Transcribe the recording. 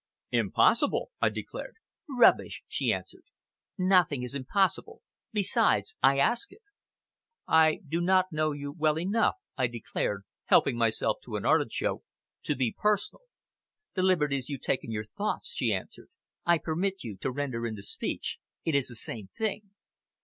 "Impossible!" I declared. "Rubbish!" she answered, "nothing is impossible. Besides, I ask it," "I do not know you well enough," I declared, helping myself to an artichoke, "to be personal." "The liberties you take in your thoughts," she answered, "I permit you to render into speech. It is the same thing."